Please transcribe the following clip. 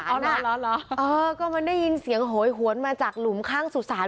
หน้าร้อนเหรอเออก็มันได้ยินเสียงโหยหวนมาจากหลุมข้างสุสาน